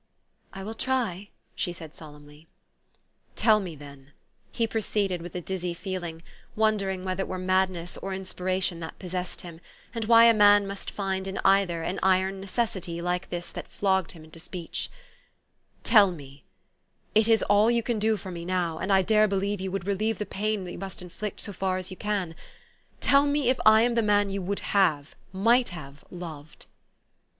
"" I will try," she said solemnly. " Tell me, then," he proceeded with a dizzy feel ing, wondering whether it were madness or inspira tion that possessed him, and why a man must find in either an iron necessity like this that flogged him into speech, " tell me, it is all you can do for me now, and I dare believe you would relieve the pain you must inflict so far as you can, tell me if I am the man you would have, might have, loved?